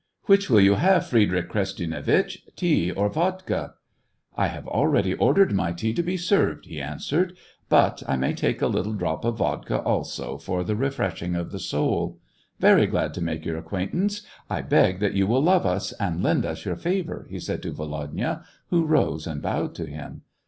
"Which will you have, Friedrich Krestyanitch, tea or vodka '^."" I have already ordered my tea to be served," he answered, ''.but I may take a little drop of vodka also, for the refreshing of the soul. Very glad to make your acquaintance ; I beg that you v,rill love us, and lend us your favor," he said to Volodya, who rose and bowed to him.